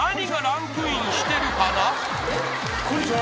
さあこんにちは！